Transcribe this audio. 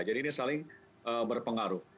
jadi ini saling berpengaruh